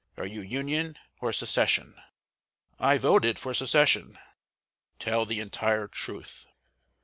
Are you Union or Secession?" "I voted for Secession." "Tell the entire truth."